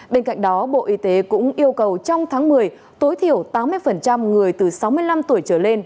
bên cạnh đó bộ y tế cũng yêu cầu trong tháng một mươi tối thiểu tám mươi người từ sáu mươi năm tuổi trở lên